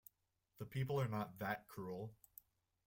The people are not that cruel.